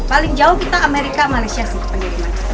paling jauh kita amerika malaysia sih penerima